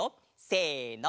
せの！